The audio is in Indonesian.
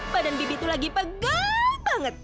badan bibi tuh lagi pegal banget